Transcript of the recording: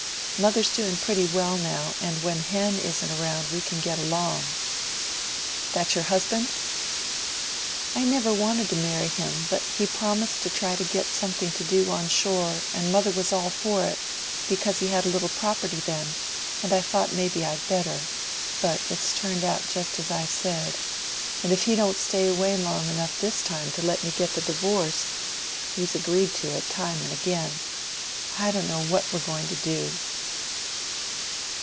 Mother's doing pretty well now; and when Hen isn't around we can get along." "That your husband?" "I never wanted to marry him; but he promised to try to get something to do on shore; and mother was all for it, because he had a little property then, and I thought may be I'd better. But it's turned out just as I said and if he don't stay away long enough this time to let me get the divorce, he's agreed to it, time and again, I don't know what we're going to do."